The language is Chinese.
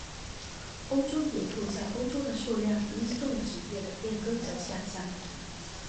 欧洲野兔在欧洲的数量因种植业的变更而下降。